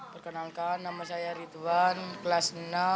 perkenalkan nama saya ridwan kelas enam